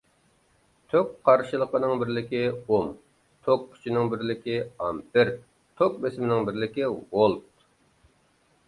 توك قارشىلىقىنىڭ بىرلىكى ئوم، توك كۈچىنىڭ بىرلىك ئامپېر، توك بېسىمنىڭ بىلىكى ۋولت.